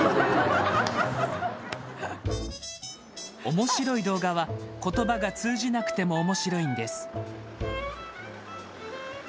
面白い動画は、言葉が通じなくても面白いんです。